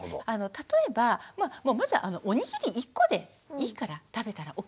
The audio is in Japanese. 例えばまずおにぎり１個でいいから食べたらＯＫ。